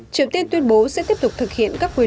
triều tiên tuyên bố sẽ tiếp tục thực hiện các quyền